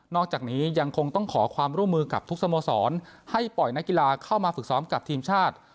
อกจากนี้ยังคงต้องขอความร่วมมือกับทุกสโมสรให้ปล่อยนักกีฬาเข้ามาฝึกซ้อมกับทีมชาติ